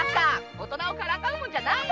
大人をからかうもんじゃないの！